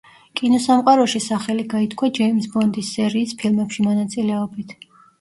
კინოსამყაროში სახელი გაითქვა ჯეიმზ ბონდის სერიის ფილმებში მონაწილეობით.